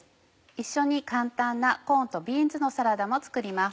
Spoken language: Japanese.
一緒に簡単なコーンとビーンズのサラダも作ります。